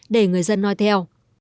để người dân nói theo